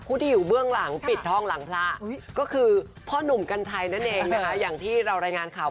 ผู้ดีอยู่เบื้องหลั่งบิดท่องหลังพระก็คือพ่อนุ่มกันชัยนั้นเองนะอย่างที่เราแล้งงานข่าว